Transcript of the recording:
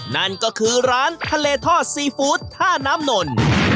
นั่นก็คือร้านทะเลทอดซีฟู้ดท่าน้ำนน